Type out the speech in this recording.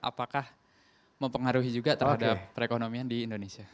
apakah mempengaruhi juga terhadap perekonomian di indonesia